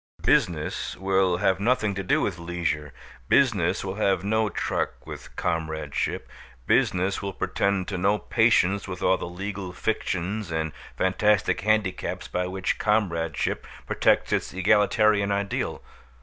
Business will have nothing to do with leisure; business will have no truck with comradeship; business will pretend to no patience with all the legal fictions and fantastic handicaps by which comradeship protects its egalitarian ideal.